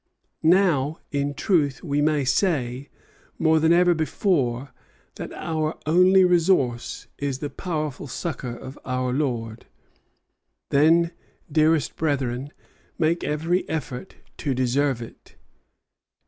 Now, in truth, we may say, more than ever before, that our only resource is in the powerful succor of our Lord. Then, dearest brethren, make every effort to deserve it.